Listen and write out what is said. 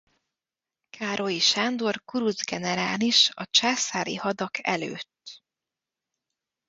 Károlyi Sándor kuruc generális a császári hadak előtt.